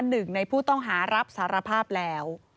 หนึ่งในผู้ต้องหารับสารภาพแล้ว